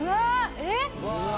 えっ？